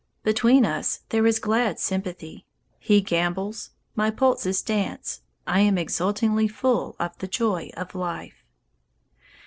Between us there is glad sympathy; He gambols; my pulses dance; I am exultingly full of the joy of life!